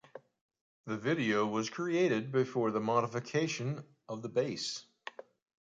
The video was created before the modification of the bass.